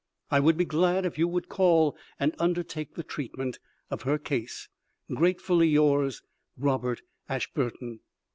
I would be glad if you would call and undertake the treatment of her case. Gratefully yours, Robert Ashburton.